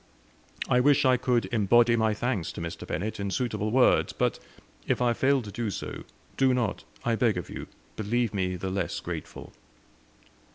I wish I could embody my thanks to Mr. Bennett in suitable words; but if I fail to do so, do not, I beg of you, believe me the less grateful."